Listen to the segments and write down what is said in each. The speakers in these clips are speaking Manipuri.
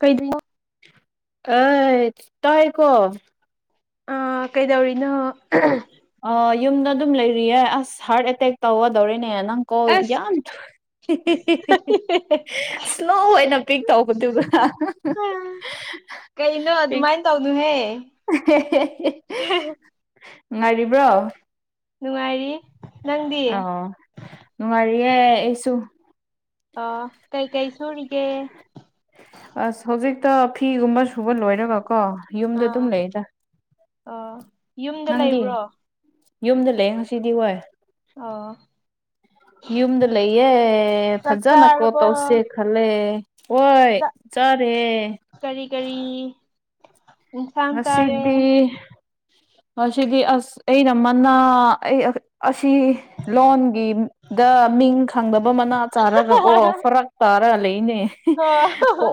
ꯀꯩꯗꯧꯔꯤꯅꯣ ꯑꯦ ꯇꯥꯏꯀꯣ ꯑ ꯀꯩꯗꯧꯔꯤꯅꯣ ꯑ ꯌꯨꯝꯗ ꯑꯗꯨꯝ ꯂꯩꯔꯤꯌꯦ ꯑꯁ ꯍꯥꯔꯠ ꯑꯦꯇꯦꯛ ꯇꯧꯒꯗꯧꯔꯤꯅꯦ ꯅꯪ ꯀꯣꯜ ꯑꯁ ꯌꯥꯝ ꯏꯁ꯭ꯂꯣ ꯑꯣꯏꯅ ꯄꯤꯛ ꯇꯧꯒꯗꯨꯏꯕ ꯀꯩꯅꯣ ꯑꯗꯨꯃꯥꯏꯅ ꯇꯧꯅꯨꯍꯦ ꯅꯨꯡꯉꯥꯏꯔꯤꯕ꯭ꯔꯣ ꯅꯨꯡꯉꯥꯏꯔꯤ ꯅꯪꯗꯤ ꯑꯣ ꯅꯨꯉꯥꯏꯔꯤꯌꯦ ꯑꯩꯁꯨ ꯑꯣ ꯀꯩ ꯀꯩ ꯁꯨꯔꯤꯒꯦ ꯑꯁ ꯍꯧꯖꯤꯛꯇ ꯐꯤꯒꯨꯝꯕ ꯁꯨꯕ ꯂꯣꯏꯔꯒ ꯀꯣ ꯌꯨꯝꯗ ꯑꯗꯨꯝ ꯑꯥ ꯂꯩꯗ ꯑꯥ ꯅꯪꯗꯤ ꯌꯨꯝꯗ ꯂꯩ ꯉꯁꯤꯗꯤ ꯍꯣꯏ ꯑ ꯌꯨꯝꯗ ꯂꯩꯌꯦ ꯆꯥꯛ ꯐꯖꯅ ꯀꯣꯜ ꯆꯥꯔꯕꯣ ꯇꯧꯁꯦ ꯈꯜꯂꯦ ꯍꯣꯏ ꯆꯔꯦ ꯀꯔꯤ ꯀꯔꯤ ꯏꯟꯁꯥꯡ ꯆꯥꯔꯦ ꯉꯁꯤꯗꯤ ꯉꯁꯤꯗꯤ ꯑꯁ ꯑꯩꯅ ꯃꯅꯥ ꯑꯩ ꯑꯁꯤ ꯂꯣꯟꯒꯤ ꯗ ꯃꯤꯡ ꯈꯪꯗꯕ ꯃꯅꯥ ꯆꯥꯔꯒꯀꯣ ꯍꯣꯔꯛ ꯇꯥꯔꯥ ꯂꯩꯅꯦ ꯑꯣ ꯀꯣ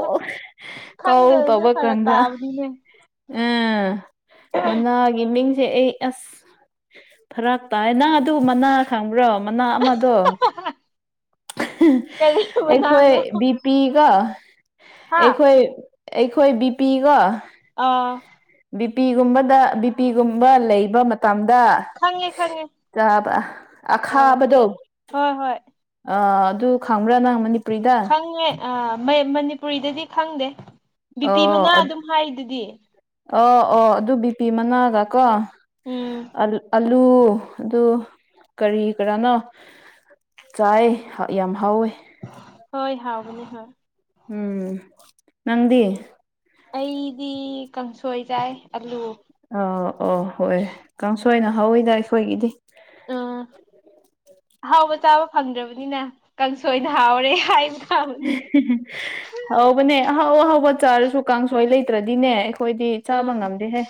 ꯀꯣꯜ ꯈꯪꯗꯕꯁꯨ ꯇꯧꯕ ꯐꯔꯛ ꯀꯥꯟꯗ ꯇꯥꯕꯅꯤꯅꯦ ꯎꯝ ꯃꯅꯥꯒꯤ ꯃꯤꯡꯁꯦ ꯑꯩ ꯑꯁ ꯐꯔꯥꯛ ꯇꯥꯏ ꯅꯪ ꯑꯗꯨ ꯃꯅꯥ ꯈꯪꯕ꯭ꯔꯣ ꯃꯅꯥ ꯑꯃꯗꯣ [unintelligible] ꯀꯔꯤ ꯃꯅꯥꯅꯣ ꯑꯩꯈꯣꯏꯕꯤ ꯄꯤꯒ ꯍꯥ ꯑꯩꯈꯣꯏ ꯑꯩꯈꯣꯏ ꯕꯤꯄꯤꯒ ꯑꯥ ꯕꯤꯄꯤꯒꯨꯝꯕꯗ ꯕꯤꯄꯤꯒꯨꯝꯕ ꯂꯩꯕ ꯃꯇꯝꯗ ꯈꯪꯉꯦ ꯈꯪꯉꯦ ꯑ ꯑꯈꯥꯕꯗꯣ ꯍꯣꯏ ꯍꯣꯏ ꯑ ꯑꯗꯨ ꯈꯪꯕ꯭ꯔꯥ ꯅꯪꯕꯅꯤ ꯈꯪꯉꯦ ꯃꯅꯤꯄꯨꯔꯤꯗꯗꯤ ꯈꯪꯗꯦ ꯕꯤꯄꯤ ꯑꯣ ꯃꯅꯥ ꯑꯗꯨꯝ ꯍꯥꯏꯗꯨꯗꯤ ꯑꯣ ꯑꯣ ꯑꯗꯨ ꯕꯤꯄꯤ ꯃꯅꯥꯒ ꯀꯣ ꯎꯝ ꯑ ꯑꯂꯨ ꯑꯗꯨ ꯀꯔꯤ ꯀꯔꯥꯅꯣ ꯆꯥꯏ ꯌꯥꯝ ꯍꯥꯎꯋꯦ ꯍꯣꯏ ꯍꯥꯎꯕ ꯍꯣꯏ ꯎꯝ ꯅꯪꯗꯤ ꯎꯝ ꯑꯩꯗꯤ ꯀꯥꯡꯁꯣꯏ ꯆꯥꯏ ꯑꯂꯨ ꯑꯧ ꯑꯧ ꯍꯣꯏ ꯀꯥꯡꯁꯣꯏꯅ ꯍꯧꯋꯤꯗ ꯑꯩꯈꯣꯏꯒꯤꯗꯤ ꯎꯝ ꯑꯍꯥꯎꯕ ꯆꯥꯕ ꯐꯪꯗ꯭ꯔꯕꯅꯤꯅ ꯀꯥꯡꯁꯣꯏꯗ ꯍꯥꯎꯔꯦ ꯍꯥꯏꯅ ꯊꯥꯕꯅꯦ ꯍ ꯍꯕ ꯆꯥꯁ ꯑꯁꯨ ꯀꯥꯡꯁꯣꯏ ꯂꯩꯇ꯭ꯔꯗꯤꯅꯦ ꯑꯩꯈꯣꯏꯗꯤ ꯆꯥꯕ ꯎꯝ ꯉꯝꯗꯦꯍꯦ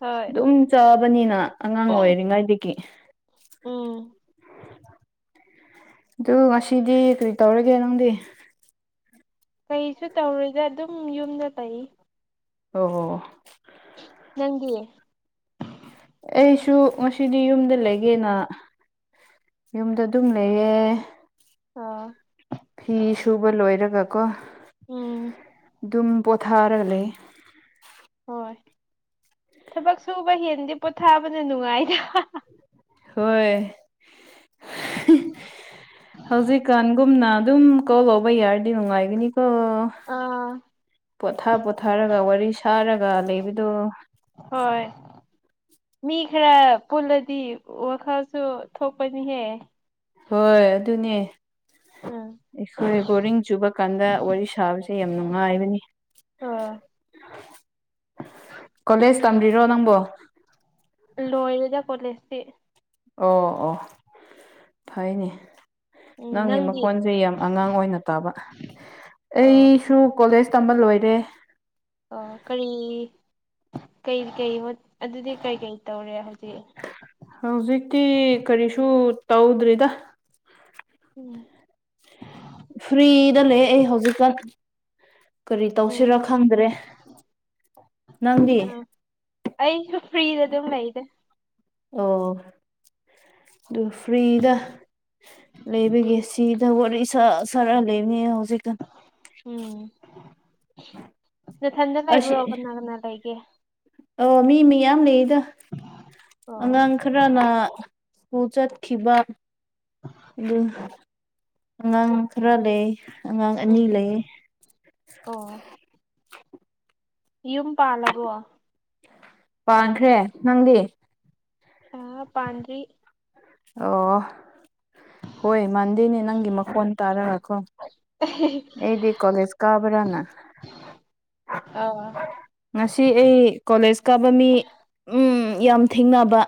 ꯍꯣꯏ ꯑꯗꯨꯝ ꯆꯥꯕꯅꯤꯅ ꯑꯉꯥꯡ ꯑꯣꯏꯔꯤꯉꯩꯗꯒꯤ ꯎꯝ ꯑꯗꯨ ꯉꯁꯤꯗꯤ ꯀꯔꯤ ꯇꯧꯔꯒꯦ ꯅꯪꯗꯤ ꯀꯩꯁꯨ ꯇꯧꯔꯣꯏꯗ ꯑꯗꯨꯝ ꯌꯨꯝꯗ ꯂꯩ ꯑꯣ ꯍꯣ ꯅꯪꯗꯤ ꯑꯩꯁꯨ ꯉꯁꯤꯗꯤ ꯌꯨꯝꯗ ꯂꯩꯒꯦꯅ ꯌꯨꯝꯗ ꯑꯗꯨꯝ ꯂꯩꯌꯦꯦ ꯑꯥ ꯐꯤ ꯁꯨꯕ ꯂꯣꯏꯔꯒꯀꯣ ꯎꯝ ꯑꯗꯨꯝ ꯄꯣꯊꯥꯔꯒ ꯂꯩꯌꯦ ꯍꯣꯏ ꯊꯕꯛ ꯁꯨꯕ ꯍꯦꯟꯗꯤꯦ ꯄꯣꯊꯥꯕꯅ ꯅꯨꯡꯉꯥꯏꯗ ꯍꯣꯏ ꯍꯧꯖꯤꯛꯀꯥꯟꯒꯨꯝꯅ ꯑꯗꯨꯝ ꯀꯣꯜ ꯂꯧꯕ ꯌꯥꯔꯗꯤ ꯅꯨꯡꯉꯥꯏꯒꯅꯤꯀꯣ ꯑꯥ ꯄꯣꯊꯥ ꯄꯣꯊꯥꯔꯒ ꯋꯥꯔꯤ ꯁꯥꯔꯒ ꯂꯩꯕꯗꯣ ꯍꯣꯏ ꯃꯤ ꯈꯔ ꯄꯨꯜꯂꯗꯤ ꯋꯥꯈꯜꯁꯨ ꯊꯣꯛꯄꯅꯤꯍꯦ ꯍꯣꯏ ꯑꯗꯨꯅꯦ ꯎꯝ ꯑꯩꯈꯣꯏ ꯕꯣꯔꯤꯡ ꯆꯨꯕ ꯀꯥꯟꯗ ꯋꯥꯔꯤ ꯁꯥꯕꯁꯦ ꯌꯥꯝ ꯅꯨꯡꯉꯥꯏꯕꯅꯤ ꯑ ꯀꯣꯂꯦꯖ ꯇꯝꯔꯤꯔꯣ ꯅꯪꯕꯣ ꯂꯣꯏꯔꯦꯗ ꯀꯣꯂꯦꯁꯤ ꯑꯣ ꯑꯣ ꯐꯩꯅꯦ ꯎꯝ ꯅꯪꯒꯤ ꯅꯪꯗꯤ ꯃꯈꯣꯟꯁꯦ ꯌꯥꯝ ꯑꯉꯥꯡ ꯑꯣꯏꯅ ꯇꯥꯕ ꯑꯣ ꯑꯩꯁꯨ ꯀꯣꯂꯦꯖ ꯇꯝꯕ ꯂꯣꯏꯔꯦ ꯑꯣ ꯀꯔꯤ ꯀꯩ ꯀꯩ ꯑꯗꯨꯗꯤ ꯀꯩꯀꯩ ꯇꯧꯔꯦ ꯍꯧꯖꯤꯛ ꯍꯧꯖꯤꯛꯇꯤ ꯀꯔꯤꯁꯨ ꯇꯧꯗ꯭ꯔꯤꯗ ꯎꯝ ꯐ꯭ꯔꯤꯗ ꯂꯩ ꯑꯩ ꯍꯧꯖꯤꯛꯀ ꯀꯔꯤ ꯎꯝ ꯇꯧꯁꯤꯔꯣ ꯈꯪꯗ꯭ꯔꯦ ꯅꯪꯗꯤ ꯑꯥ ꯑꯩꯁꯨ ꯐ꯭ꯔꯤꯗꯗꯤꯝ ꯂꯩꯗꯥ ꯑꯣ ꯑꯗꯨ ꯐ꯭ꯔꯤꯗ ꯂꯩꯕꯒꯤꯦ ꯁꯤ ꯋꯥꯔꯤ ꯁ ꯁꯔ ꯂꯩꯕꯅꯦ ꯍꯧꯖꯤꯀꯟ ꯎꯝ ꯅꯊꯟꯗ ꯑꯁꯤ ꯂꯩꯕ꯭ꯔꯣ ꯀꯅꯥ ꯀꯅꯥ ꯂꯩꯒꯦ ꯑꯣ ꯃꯤ ꯃꯤꯌꯥꯝ ꯂꯩꯗ ꯑꯣ ꯑꯉꯥꯡ ꯈꯔꯅ ꯍ ꯆꯠꯈꯤꯕ ꯑꯗꯨ ꯑꯉꯥꯡ ꯈꯔ ꯂꯩ ꯑꯉꯥꯡ ꯑꯅꯤ ꯎꯝ ꯂꯩꯌꯦ ꯑꯣ ꯌꯨꯝ ꯄꯥꯜꯂꯕꯣ ꯄꯥꯟꯈ꯭ꯔꯦ ꯅꯪꯗꯤ ꯑ ꯄꯥꯟꯗꯔꯤ ꯑꯣ ꯍꯣꯏ ꯃꯥꯟꯗꯦꯅꯦ ꯅꯪꯒꯤ ꯃꯈꯣꯟ ꯇꯥꯔꯒ ꯀꫭ ꯑ [unintelligible] ꯑꯩꯗꯤ ꯀꯂꯦꯖ ꯀꯥꯕ꯭ꯔꯥꯅ ꯑ [unintelligible] ꯉꯁꯤ ꯑꯩ ꯀꯣꯂꯦꯖ ꯀꯥꯕ ꯃꯤ ꯎꯝ ꯌꯥꯝ ꯊꯦꯡꯅꯕ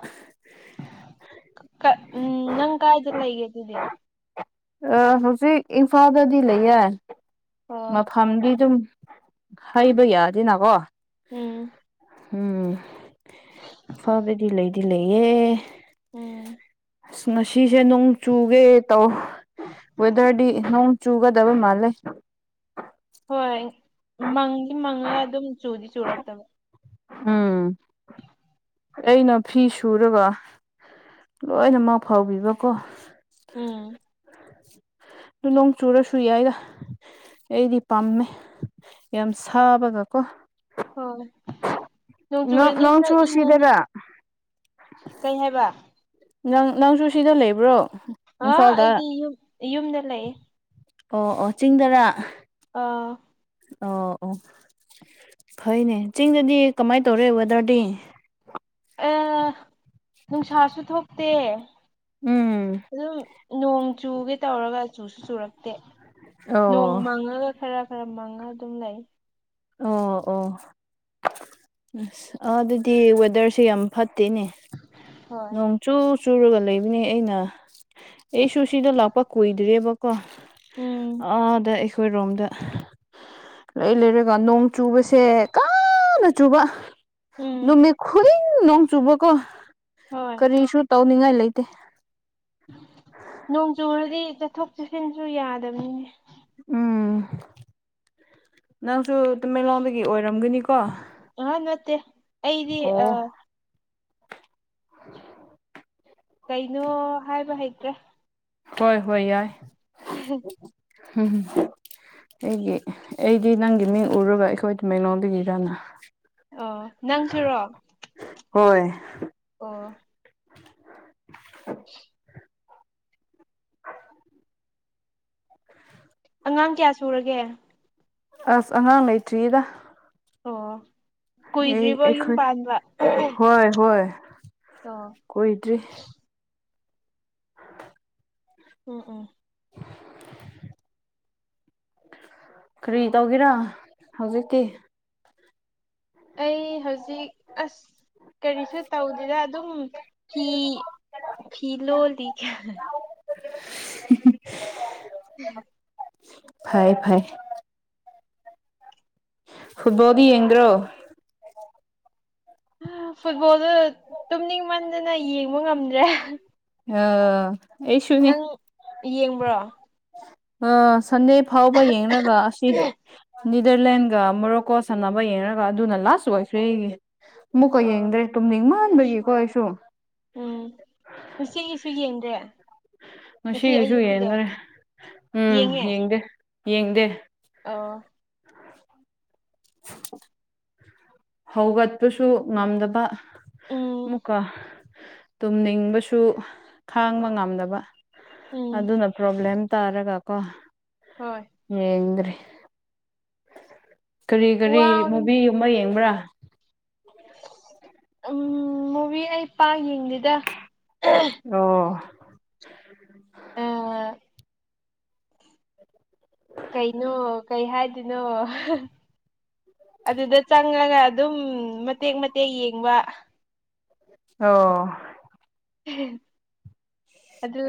ꯎꯝ ꯅꯪ ꯀꯥꯏꯗ ꯂꯩꯒꯦ ꯑꯗꯨꯗꯤ ꯑ ꯍꯧꯖꯤꯛ ꯏꯝꯐꯥꯜꯗꯗꯤ ꯂꯩꯌꯦ ꯑꯣ ꯃꯐꯝꯗꯤ ꯑꯗꯨꯝ ꯍꯥꯏꯕ ꯌꯥꯗꯦꯅꯀꯣ ꯎꯝ ꯎꯝ ꯏꯝꯐꯥꯜꯗꯗꯤ ꯂꯩꯗꯤ ꯂꯩꯌꯦ ꯎꯝ ꯑꯁ ꯉꯁꯤꯁꯦ ꯅꯣꯡ ꯆꯨꯒꯦ ꯇꯧ ꯋꯦꯗꯔꯗꯤ ꯅꯣꯡ ꯆꯨꯒꯗꯕ ꯃꯥꯜꯂꯦ ꯍꯣꯏ ꯃꯪꯗꯤ ꯃꯪꯉꯥ ꯑꯗꯨꯝ ꯆꯨꯗꯤ ꯆꯨꯔꯛꯇꯕ ꯎꯝ ꯑꯩꯅ ꯐꯤ ꯁꯨꯔꯒ ꯂꯣꯏꯅꯃꯛ ꯐꯥꯎꯕꯤꯕꯀꯣ ꯎꯝ ꯑꯗꯨ ꯅꯣꯡ ꯆꯨꯔꯁꯨ ꯌꯥꯏꯗ ꯑꯩꯗꯤ ꯄꯥꯝꯃꯦ ꯌꯥꯝ ꯁꯥꯕꯒꯀꯣ ꯍꯣꯏ ꯅꯣꯡ ꯅꯪ ꯆꯨꯔꯅꯤ ꯈꯔ ꯅꯪꯁꯨ ꯏꯪꯉꯅꯤ ꯁꯤꯗꯔ ꯀꯩ ꯍꯥꯏꯕ ꯅꯪ ꯅꯪꯁꯨ ꯁꯤꯗ ꯂꯩꯕ꯭ꯔꯣ ꯍꯥ ꯏꯝꯐꯥꯜꯗ ꯑꯩꯗꯤ ꯌꯨꯝ ꯌꯨꯝꯗ ꯂꯩꯌꯦ ꯑꯣ ꯑꯣ ꯆꯤꯡꯗꯔꯥ ꯑꯥ ꯑꯣ ꯑꯣ ꯐꯩꯅꯦ ꯆꯤꯡꯗꯗꯤ ꯀꯃꯥꯏꯅ ꯇꯧꯔꯦ ꯋꯦꯗꯔꯗꯤ ꯑꯥ ꯅꯨꯡꯁꯥꯁꯨ ꯊꯣꯛꯇꯦ ꯎꯝ ꯑꯗꯨꯝ ꯅꯣꯡ ꯆꯨꯒꯦ ꯇꯧꯔꯒ ꯆꯨꯁꯨ ꯆꯨꯔꯛꯇꯦ ꯑꯣ ꯅꯣꯡ ꯃꯥꯡꯉꯒ ꯈꯔ ꯈꯔ ꯃꯥꯡꯉꯒ ꯑꯗꯨꯝ ꯂꯩ ꯑꯣ ꯑꯣ ꯑꯁ ꯑꯗꯨꯗꯤ ꯋꯦꯗꯔꯁꯦ ꯌꯥꯝ ꯐꯠꯇꯦꯅꯦ ꯍꯣꯏ ꯅꯣꯡ ꯆꯨ ꯆꯨꯔꯒ ꯂꯩꯕꯅꯦ ꯑꯩꯅ ꯑꯩꯁꯨ ꯁꯤꯗ ꯂꯥꯛꯄ ꯀꯨꯏꯗ꯭ꯔꯦꯕꯀꯣ ꯎꯝ ꯑꯥꯗ ꯑꯩꯈꯣꯏ ꯔꯣꯝꯗ ꯂꯩ ꯂꯩꯔꯒ ꯅꯣꯡ ꯆꯨꯕꯁꯦ ꯀꯟꯅ ꯆꯨꯕ ꯎꯝ ꯅꯨꯃꯤꯠ ꯈꯨꯗꯤꯡ ꯅꯣꯡ ꯆꯨꯕꯀꯣ ꯍꯣꯏ ꯀꯔꯤꯁꯨ ꯇꯧꯅꯤꯡꯉꯥꯏ ꯂꯩꯇꯦ ꯅꯣꯡ ꯆꯨꯔꯗꯤ ꯆꯠꯊꯣꯛ ꯆꯠꯁꯤꯟꯁꯨ ꯌꯥꯗꯕꯅꯤꯅꯦ ꯎꯝ ꯅꯪꯁꯨ ꯇꯃꯦꯡꯂꯣꯡꯗꯒꯤ ꯑꯣꯏꯔꯝꯒꯅꯤꯀꯣ ꯑꯥꯍꯥ ꯅꯠꯇ‌ꯦ ꯑꯩꯗꯤ ꯑꯣ ꯑꯥ [unintelligible] ꯀꯩꯅꯣ ꯍꯥꯏꯕ ꯍꯩꯇ꯭ꯔꯦ ꯍꯣꯏ ꯍꯣꯏ ꯌꯥꯏ ꯍꯝꯝ ꯑꯩꯒꯤ ꯑꯩꯗꯤ ꯅꯪꯒꯤ ꯃꯤꯡ ꯎꯔꯒ ꯑꯩꯈꯣꯏ ꯇꯃꯦꯡꯂꯣꯝꯗꯒꯤꯔꯥꯅ ꯑꯣ ꯅꯪꯁꯨꯔꯣ ꯍꯣꯏ ꯑꯣ [unintelligible] ꯑꯉꯥꯡ ꯀꯌꯥ ꯁꯨꯔꯒꯦ ꯑꯁ ꯑꯉꯥꯡ ꯂꯩꯇꯔꯤꯗ ꯑꯣ ꯑꯩ ꯀꯨꯏꯗ꯭ꯔꯤꯕꯣ ꯌꯨꯝ ꯑꯩꯈꯣꯏ ꯄꯥꯟꯕ ꯍꯣꯏ ꯍꯣꯏ ꯑ ꯑꯣꯏꯣꯏꯗ꯭ꯔꯤ ꯑꯣ ꯑꯣ ꯀꯔꯤ ꯇꯧꯒꯦꯔꯥ ꯍꯧꯖꯤꯛꯀꯤ ꯑꯩ ꯍꯧꯖꯤꯛ ꯑꯁ ꯀꯔꯤꯁꯨ ꯇꯧꯗꯗ ꯑꯗꯨꯝ ꯐꯤ ꯐꯤ ꯂꯣꯜꯂꯤ ꯎꯝ ꯎꯝ ꯐꯥꯏ ꯐꯥꯏ ꯐꯨꯠꯕꯣꯜꯗ ꯌꯦꯡꯗ꯭ꯔꯣ ꯐꯨꯠꯕꯣꯜꯗꯨ ꯇꯨꯝꯅꯤꯡꯃꯟꯗꯅ ꯌꯦꯡꯕ ꯉꯝꯗ꯭ꯔꯦ ꯑ ꯅꯪ ꯌꯦꯡꯕ꯭ꯔꯣ ꯑ ꯁꯟꯗꯦ ꯐꯥꯎꯕ ꯌꯦꯡꯒ ꯑꯁꯤ ꯅꯤꯗꯔꯂꯦꯟꯒ ꯃꯣꯔꯣꯀꯣ ꯁꯥꯟꯅꯕ ꯌꯦꯡꯉꯒ ꯑꯗꯨꯅ ꯂꯥꯁꯁꯨ ꯑꯣꯏꯁꯨ ꯑꯩꯒꯤ ꯃꯨꯛꯀ ꯑꯣ ꯌꯦꯡꯗ꯭ꯔꯦ ꯇꯨꯝꯅꯤꯡ ꯃꯥꯟꯕꯒꯤꯀꯣ ꯑꯩꯁꯨ ꯎꯝ ꯁꯤꯒꯤꯁꯨ ꯌꯦꯡꯗꯦ ꯉꯁꯤꯒꯤꯁꯨ ꯌꯦꯡꯗꯔꯦ ꯎꯝ ꯌꯦꯡꯗꯦ ꯌꯦꯡꯗꯦ ꯑ [unintelligible] ꯍꯧꯒꯠꯄꯁꯨ ꯉꯝꯗꯕ ꯎꯝ ꯑꯃꯨꯛꯀ ꯇꯨꯝꯅꯤꯡꯕꯁꯨ ꯈꯥꯡꯕ ꯉꯝꯗꯕ ꯎꯝ ꯑꯗꯨꯅ ꯄ꯭ꯔꯣꯕ꯭ꯂꯦꯝ ꯇꯥꯔꯒ ꯀꯣ ꯍꯣꯏ ꯍꯔꯤ ꯀꯔꯤ ꯀꯔꯤ ꯋꯥꯕꯅꯤ ꯃꯨꯚꯒꯨꯝꯕ ꯌꯦꯡꯕ꯭ꯔꯥ ꯎꯝ ꯃꯨꯚ ꯑꯩ ꯄꯥꯛ ꯌꯦꯡꯗꯦꯗ ꯑꯣ ꯑ ꯀꯩꯅꯣ ꯀꯩ ꯍꯥꯏꯗꯣꯏꯅꯣ ꯑꯗꯨꯗ ꯆꯪꯉꯒ ꯑꯗꯨꯝ ꯃꯇꯦꯛ ꯃꯇꯦꯛ ꯌꯦꯡꯕ ꯑꯣ ꯑꯗꯨ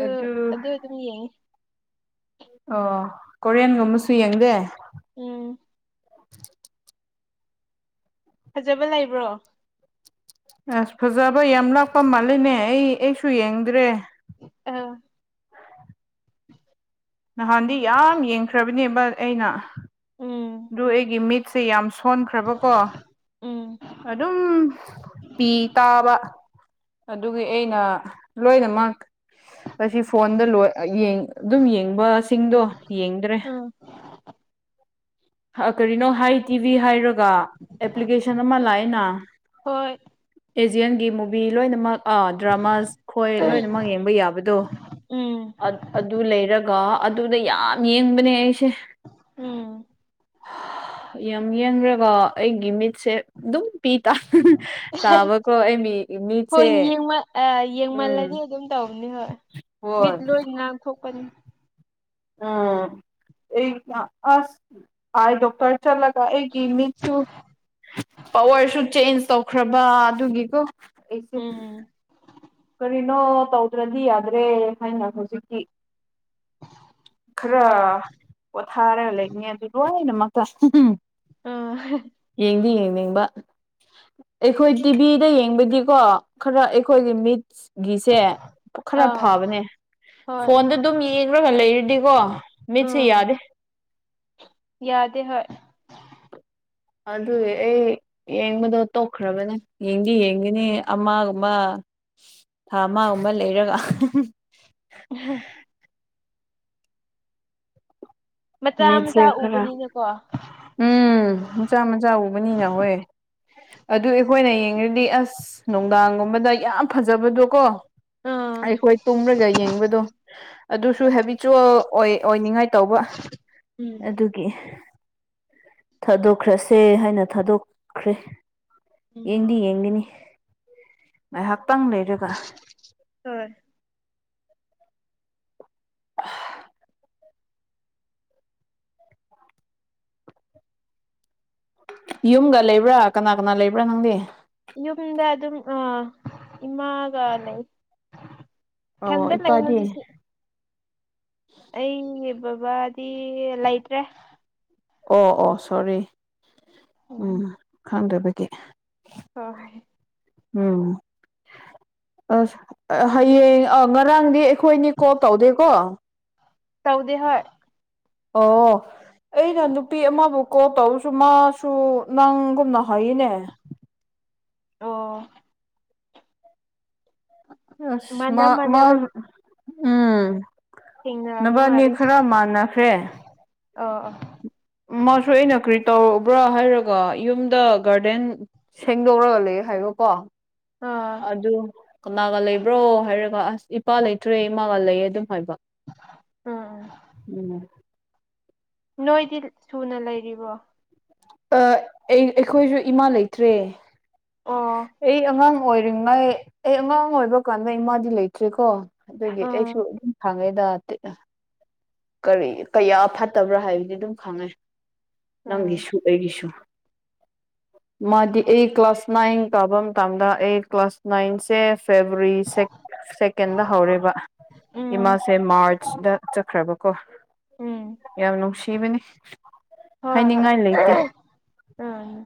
ꯑꯗꯨ ꯑꯗꯨꯝ ꯌꯦꯡꯉꯤ ꯑꯣ ꯀꯣꯔꯤꯌꯟꯒꯨꯝꯕꯁꯨ ꯌꯦꯡꯗꯦ ꯎꯝ ꯐꯖꯕ ꯂꯩꯕ꯭ꯔꯣ ꯑꯁ ꯐꯖꯕ ꯌꯥꯝ ꯂꯥꯛꯄ ꯃꯥꯜꯂꯤꯅꯦ ꯑꯩ ꯑꯩꯁꯨ ꯌꯦꯡꯗ꯭ꯔꯦ ꯑ ꯅꯍꯥꯟꯗꯤ ꯌꯥꯝ ꯌꯦꯡꯈ꯭ꯔꯕꯅꯦꯕ ꯑꯩꯅ ꯎꯝ ꯑꯗꯨ ꯑꯩꯒꯤ ꯃꯤꯠꯁꯦ ꯌꯥꯝ ꯊꯣꯟꯈ꯭ꯔꯕꯀꯣ ꯎꯝ ꯑꯗꯨꯝ ꯄꯤ ꯇꯥꯕ ꯑꯗꯨꯒꯤ ꯑꯩꯅ ꯂꯣꯏꯅꯃꯛ ꯑꯁꯤ ꯐꯣꯟꯗ ꯂꯣꯏ ꯑꯗꯨꯝ ꯌꯦꯡꯕꯁꯤꯡꯗꯣ ꯌꯦꯡꯗ꯭ꯔꯦ ꯎꯝ ꯀꯔꯤꯅꯣ ꯍꯥꯏ ꯇꯤꯚꯤ ꯍꯥꯏꯔꯒ ꯑꯦꯄ꯭ꯂꯤꯀꯦꯁꯟ ꯑꯃ ꯂꯥꯛꯑꯦꯅ ꯍꯣꯏ ꯑꯦꯖꯤꯌꯟꯒꯤ ꯃꯨꯚꯤ ꯂꯣꯏꯅꯃꯛ ꯑꯥ ꯗ꯭ꯔꯃꯥꯥꯁ ꯈꯣꯏ ꯂꯣꯏꯅꯃꯛ ꯌꯦꯡꯕ ꯌꯥꯕꯗꯣ ꯎꯝ ꯑꯗꯨ ꯂꯩꯔꯒ ꯑꯗꯨꯗ ꯌꯥꯝ ꯌꯦꯡꯕꯅꯦ ꯑꯩꯁꯦ ꯎꯝ ꯌꯥꯝ ꯌꯦꯡꯈ꯭ꯔꯒ ꯑꯩꯒꯤ ꯃꯤꯠꯁꯦ ꯑꯗꯨꯝ ꯄꯤ ꯇ ꯇꯥꯕꯀꯣ ꯑꯩ ꯃꯤ ꯃꯤꯠꯁꯦ ꯐꯣꯟ ꯌꯦꯡꯃ ꯎꯝ ꯌꯦꯡꯃꯜꯂꯗꯤ ꯑꯗꯨꯝ ꯇꯧꯕꯅꯤ ꯍꯣꯏ ꯍꯣꯏ ꯃꯤꯠ ꯂꯣꯏ ꯉꯥꯡꯊꯣꯛꯄꯅꯤ ꯎꯝ ꯑꯩ ꯑ ꯑꯥꯏ ꯗꯣꯛꯇꯔ ꯆꯠꯂꯒ ꯑꯩꯒꯤ ꯃꯤꯠꯁꯨ ꯄꯋꯥꯔꯁꯨ ꯆꯦꯟꯖ ꯇꯧ ꯈ꯭ꯔꯕ ꯑꯗꯨꯒꯤꯀꯣ ꯑꯩꯁꯦ ꯑꯣꯝ ꯀꯔꯤꯅꯣ ꯇꯧꯗ꯭ꯔꯗꯤ ꯌꯥꯗ꯭ꯔꯦ ꯍꯥꯏꯅ ꯍꯧꯖꯤꯛꯛꯇꯤ ꯈꯔ ꯍꯣꯏ ꯄꯣꯊꯥꯔꯒ ꯂꯩꯅꯦ ꯑꯗꯨ ꯂꯥꯏꯅꯃꯛꯇ ꯑ ꯌꯦꯡꯗꯤ ꯌꯦꯡ ꯌꯦꯡꯕ ꯑꯩꯈꯣꯏ ꯇꯤꯚꯤꯗ ꯌꯦꯡꯕꯗꯤꯀꯣ ꯈꯔ ꯑꯩꯈꯣꯏꯒꯤ ꯃꯤꯠꯁ ꯒꯤꯁꯦ ꯈꯔ ꯑꯥꯎ ꯐꯕꯅꯦ ꯍꯣꯏ ꯐꯣꯟꯗ ꯑꯗꯨꯝ ꯌꯦꯡꯈ꯭ꯔꯒ ꯂꯩꯔꯗꯤꯀꯣ ꯃꯤꯠꯁꯨ ꯎꯝ ꯌꯥꯗꯦ ꯌꯥꯗꯦ ꯍꯣꯏ ꯑꯗꯨꯗ ꯑꯦ ꯌꯦꯡꯕꯗꯣ ꯇꯣꯛꯈ꯭ꯔꯕꯅꯦ ꯌꯦꯡꯗꯤ ꯌꯦꯡꯒꯅꯤ ꯑꯃꯒꯨꯝ ꯑꯃ ꯊꯥ ꯑꯃ ꯑꯃ ꯂꯩꯔꯒ ꯎ ꯃꯆꯥ ꯃꯤꯠꯁꯦ ꯃꯆꯥ ꯈꯔ ꯎꯕꯅꯤꯅꯀꯣ ꯎꯝ ꯃꯆꯥ ꯃꯆꯥ ꯎꯕꯅꯤꯅ ꯍꯣꯏ ꯑꯗꯨ ꯑꯩꯈꯣꯏꯅ ꯌꯦꯡꯉꯗꯤ ꯑꯁ ꯅꯨꯡꯗꯥꯡꯒꯨꯝꯕꯗ ꯌꯥꯝ ꯐꯖꯕꯗꯣ ꯀꯣ ꯑꯩꯈꯣꯏ ꯇꯨꯝꯔꯒ ꯌꯦꯡꯕꯗꯣ ꯑꯗꯨꯁꯨ ꯍꯣꯏ ꯍꯦꯕꯤꯆꯨꯋꯦꯜ ꯑꯣꯏ ꯑꯣꯏꯅꯤꯡꯉꯥꯏ ꯇꯧꯕ ꯎꯝ ꯑꯗꯨꯒꯤ ꯊꯥꯗꯣꯛꯈ꯭ꯔꯁꯦ ꯍꯥꯏꯅ ꯊꯥꯗꯣꯛꯈ꯭ꯔꯦ ꯎꯝ ꯌꯦꯡꯗꯤ ꯌꯦꯡꯒꯅꯤ ꯉꯥꯏꯍꯥꯛꯇꯪ ꯂꯩꯔꯒ ꯍꯣꯏ ꯑ ꯌꯨꯝꯒ ꯂꯩꯕ꯭ꯔꯥ ꯀꯅꯥ ꯀꯅꯥ ꯂꯩꯕ꯭ꯔꯥ ꯅꯪꯗꯤ ꯌꯨꯝꯗ ꯑꯗꯨꯝ ꯑ ꯏꯃꯥꯒ ꯂꯩ ꯑꯣ ꯊꯗ ꯂꯩ ꯏꯄꯥꯗꯤ ꯍꯧꯖꯤ ꯑꯩꯒꯤ ꯕꯕꯥꯗꯤ ꯂꯩꯇ꯭ꯔꯦ ꯑꯣ ꯑꯣ ꯁꯣꯔꯤ ꯎꯝ ꯈꯪꯗꯕꯒꯤ ꯍꯣꯏ ꯎꯝ ꯑꯁ ꯍꯌꯦꯡ ꯉꯔꯥꯡꯗꯤ ꯑꯩꯈꯣꯏꯅꯤ ꯀꯣꯜ ꯇꯧꯗꯦꯀꯣ ꯇꯧꯗꯤ ꯍꯣꯏ ꯑꯣ ꯑꯩꯅ ꯅꯨꯄꯤ ꯑꯃꯕꯨ ꯀꯣꯜ ꯇꯧꯔꯁꯨ ꯃꯥꯁꯨ ꯅꯪꯒꯨꯝꯅ ꯍꯥꯏꯔꯤꯅꯦ ꯑꯣ ꯑ ꯃꯥꯟꯅ ꯃꯥ ꯃꯥ ꯃꯥꯟꯅꯕ ꯎꯝ ꯊꯦꯡꯅꯕ ꯅꯕꯥꯅꯤ ꯈꯔ ꯃꯥꯟꯅꯈ꯭ꯔꯦ ꯑ ꯑ ꯃꯥꯁꯨ ꯑꯩꯅ ꯀꯔꯤ ꯇꯧꯕ꯭ꯔꯥ ꯍꯥꯏꯔꯒ ꯌꯨꯝꯗ ꯒꯥꯔꯗꯦꯟ ꯁꯦꯡꯗꯧꯔꯒ ꯂꯩ ꯍꯥꯏꯕꯀꯣ ꯑꯥ ꯑꯗꯨ ꯀꯅꯥꯒ ꯂꯩꯕ꯭ꯔꯣ ꯍꯥꯏꯔꯒ ꯑꯁ ꯏꯄꯥ ꯂꯩꯇ꯭ꯔꯦ ꯏꯃꯥꯒ ꯂꯩꯌꯦ ꯑꯗꯨꯝ ꯍꯥꯏꯕ ꯎꯝ ꯎꯝ ꯅꯣꯏꯗꯤ ꯁꯨꯅ ꯂꯩꯔꯤꯕꯣ ꯑꯩ ꯑꯈꯣꯏꯁꯨ ꯏꯃꯥ ꯂꯩꯇ꯭ꯔꯦ꯫ ꯑꯣ ꯑꯩ ꯑꯉꯥꯡ ꯑꯣꯏꯔꯤꯉꯥꯏ ꯑꯩ ꯑꯉꯥꯡ ꯑꯣꯏꯕ ꯀꯥꯟꯗ ꯏꯃꯥꯗꯤ ꯂꯩꯇ꯭ꯔꯦꯀꯣ꯫ ꯑꯗꯨꯒꯤ ꯑꯩꯁꯨ ꯎꯝ ꯑꯗꯨꯝ ꯈꯪꯉꯩꯗ꯫ ꯀꯔꯤ ꯀꯌꯥ ꯐꯠꯇꯕ꯭ꯔꯥ ꯍꯥꯏꯕꯗꯤ ꯑꯗꯨꯝ ꯈꯪꯉꯦ ꯎꯝ ꯅꯪꯒꯤꯁꯨ ꯑꯩꯒꯤꯁꯨ [inaudible] ꯃꯥꯗꯤ ꯑꯩ ꯀ꯭ꯂꯥꯁ ꯅꯥꯏꯟ ꯇꯥꯕ ꯃꯇꯝꯗ ꯑꯩ ꯀ꯭ꯂꯥꯁ ꯅꯥꯏꯟꯁꯦ꯫ ꯐꯦꯕꯋꯥꯔꯤ ꯁꯦꯀꯦꯟꯗ ꯍꯧꯔꯔꯤꯕ ꯎꯝ ꯏꯃꯥꯁꯦ ꯃꯥꯔꯆ ꯗ ꯆꯠꯈ꯭ꯔꯕ ꯀꯣ ꯎꯝ ꯌꯥꯝ ꯅꯨꯡꯁꯤꯕꯅꯤ ꯍꯣꯏ ꯍꯣꯏ ꯍꯥꯏꯅꯤꯡꯉꯥꯏ ꯂꯩꯇꯦ꯫ ꯎꯝ